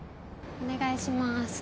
お願いします。